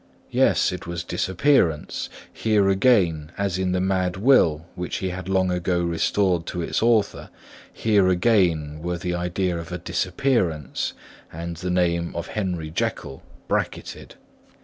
Yes, it was disappearance; here again, as in the mad will which he had long ago restored to its author, here again were the idea of a disappearance and the name of Henry Jekyll bracketted.